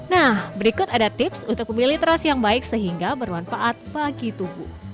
nah berikut ada tips untuk memilih terasi yang baik sehingga bermanfaat bagi tubuh